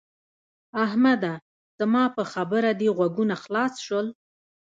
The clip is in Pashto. احمده! زما په خبره دې غوږونه خلاص شول؟